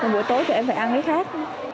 buổi tối tụi em phải ăn cái khác